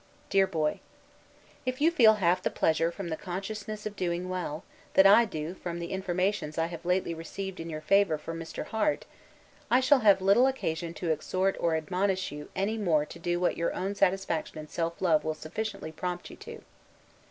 DEAR BOY: If you feel half the pleasure from the consciousness of doing well, that I do from the informations I have lately received in your favor from Mr. Harte, I shall have little occasion to exhort or admonish you any more to do what your own satisfaction and self love will sufficiently prompt you to.